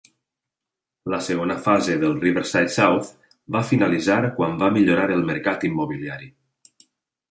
La segona fase de Riverside South va finalitzar quan va millorar el mercat immobiliari.